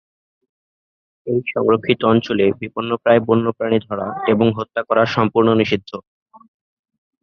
এই সংরক্ষিত অঞ্চলে বিপন্নপ্রায় বন্যপ্রাণী ধরা এবং হত্যা করা সম্পূর্ণ নিষিদ্ধ।